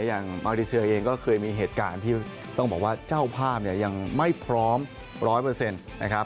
จากเมริเศียเองก็เคยมีเหตุการณ์ที่ต้องบอกว่าเจ้าภาพยังไม่พร้อมร้อยเปอร์เซ็นต์นะครับ